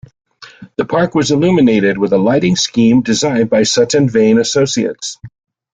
The park was illuminated with a lighting scheme designed by Sutton Vane Associates.